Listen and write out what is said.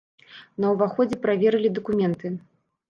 На ўваходзе праверылі дакументы.